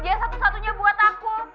ya satu satunya buat aku